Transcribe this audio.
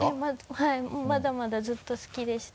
はいまだまだずっと好きでした。